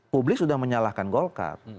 publik sudah menyalahkan golkar